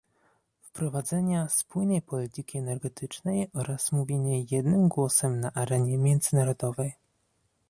wprowadzenia spójnej polityki energetycznej oraz mówienie jednym głosem na arenie międzynarodowej